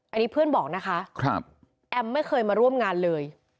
อันนี้เพื่อนบอกนะคะแอมไม่เคยมาร่วมงานเลย